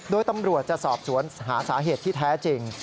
โดยตำรวจจะสอบสวนหาสาเหตุที่แท้จริง